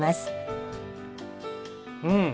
うん！